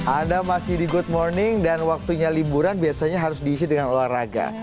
anda masih di good morning dan waktunya liburan biasanya harus diisi dengan olahraga